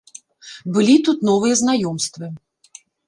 Былі тут новыя знаёмствы.